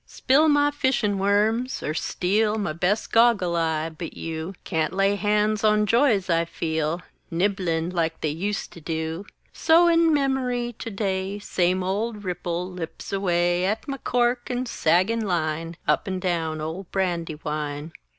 Spill my fishin' worms! er steal My best "goggle eye!" but you Can't lay hands on joys I feel Nibblin' like they ust to do! So, in memory, to day Same old ripple lips away At my cork and saggin' line, Up and down old Brandywine!